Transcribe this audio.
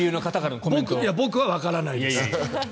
僕はわからないですよ。